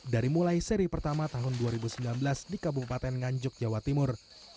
dari mulai seri pertama tahun dua ribu sembilan belas di kabupaten nganjuk jawa timur